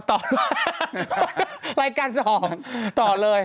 เออต่อรายการสองต่อเลย